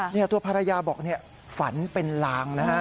เนี่ยตัวภรรยาบอกฝันเป็นลาง